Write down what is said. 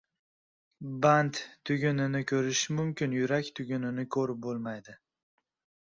• Band tugunini ko‘rish mumkin, yurak tugunini ko‘rib bo‘lmaydi.